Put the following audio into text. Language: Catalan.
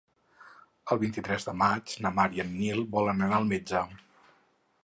El vint-i-tres de maig na Mar i en Nil volen anar al metge.